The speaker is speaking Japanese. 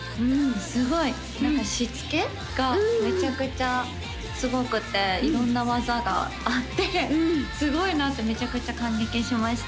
すごい何かしつけがめちゃくちゃすごくて色んな技があってすごいなってめちゃくちゃ感激しました